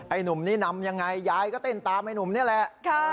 หนุ่มนี่นำยังไงยายก็เต้นตามไอ้หนุ่มนี่แหละ